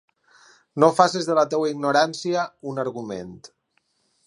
No faces de la teua ignorància un argument.